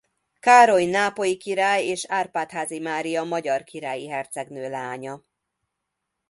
Károly nápolyi király és Árpád-házi Mária magyar királyi hercegnő lánya.